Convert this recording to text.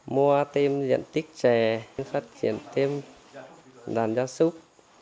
mua thêm diện tích trè phát triển thêm đàn da súc